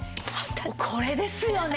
これですよね！